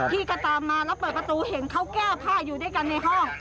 พี่ก็ตามมาแล้วเปิดประตูเห็นเขาแก้ผ้าอยู่ด้วยกันในห้อง